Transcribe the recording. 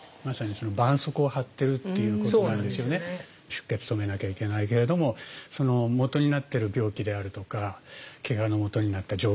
出血止めなきゃいけないけれどもそのもとになってる病気であるとかけがのもとになった状況。